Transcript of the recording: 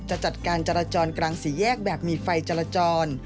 จะจัดการจราจรกลางสี่แยกแบบมีไฟจรจร